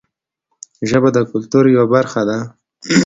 ژبه د کلتور یوه برخه ده